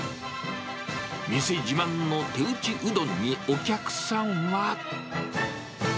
店自慢の手打ちうどんにお客さんは。